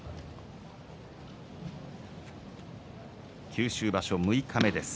九州場所六日目です。